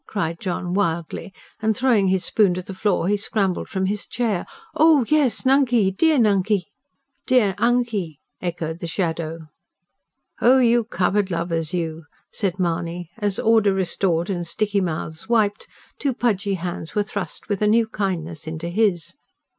cried John wildly; and throwing his spoon to the floor, he scrambled from his chair. "Oh yes, Nunkey dear Nunkey!" "Dea Unkey!" echoed the shadow. "Oh, you cupboard lovers, you!" said Mahony as, order restored and sticky mouths wiped, two pudgy hands were thrust with a new kindness into his.